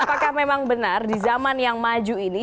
apakah memang benar di zaman yang maju ini